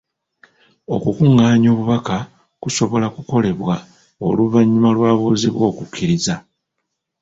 Okukungaanya obubaka kusobola kukolebwa oluvanyuma lw'abuuzibwa okukiriza.